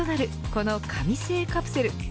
この紙製カプセル。